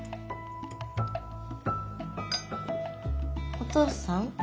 お父さん？